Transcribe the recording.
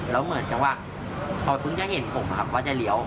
แล้วเหมือนกันว่าเขาคุ้นจะเห็นผมอ่ะครับว่าจะเหลียว